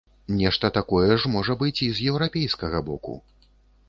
Нешта такое ж можа быць і з еўрапейскага боку.